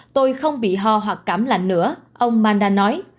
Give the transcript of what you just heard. tôi không bị ho hoặc cảm lạnh nữa ông manda nói